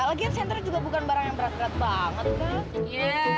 lagian center juga bukan barang yang berat berat banget dok